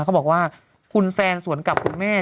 เขาบอกว่าคุณแซนสวนกับคุณแม่